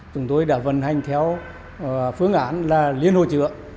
chúng tôi đã vận hành theo phương án liên hộ chứa